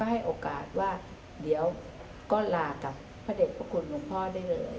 ให้โอกาสว่าเดี๋ยวก็ลากับพระเด็จพระคุณหลวงพ่อได้เลย